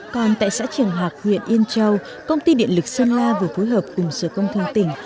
còn tại xã trường hạc huyện yên châu công ty điện lực sơn la vừa phối hợp cùng sở công thương tỉnh